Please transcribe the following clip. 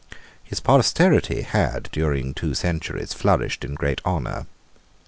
His posterity had, during two centuries, flourished in great honour.